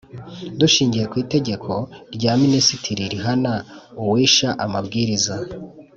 Dushingiye ku itegeko rya Minisitiri rihana uwisha amabwiriza